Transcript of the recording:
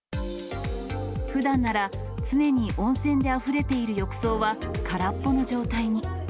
ふだんなら常に温泉であふれている浴槽は空っぽの状態に。